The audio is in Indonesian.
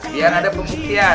biar ada pengertian